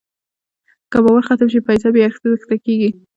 که باور ختم شي، پیسه بېارزښته کېږي.